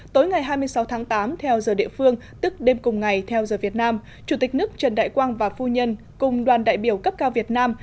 tối ngày hai mươi sáu tháng tám theo giờ địa phương tức đêm cùng ngày theo giờ việt nam chủ tịch nước trần đại quang và phu nhân cùng đoàn đại biểu cấp cao việt nam